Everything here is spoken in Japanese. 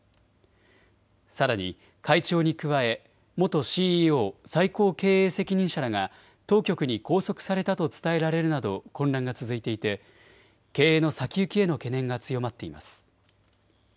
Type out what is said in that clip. さらに会長に加え、元ＣＥＯ・最高経営責任者らが当局に拘束されたと伝えられるなど混乱が続いていて経営の先行きへの懸念が強まっています。